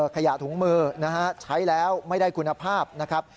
ขยะถุงมือใช้แล้วไม่ได้คุณภาพนะครับ